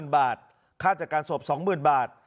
๐บาทค่าจัดการศพ๒๐๐๐บาท